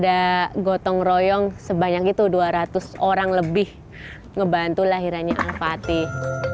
ada gotong royong sebanyak itu dua ratus orang lebih ngebantu lahirannya al fatih